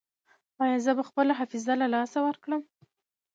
ایا زه به خپله حافظه له لاسه ورکړم؟